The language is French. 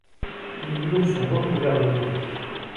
Les murs sont recouverts de crépi.